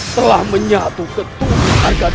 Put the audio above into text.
telah menyatu ketua ardhadar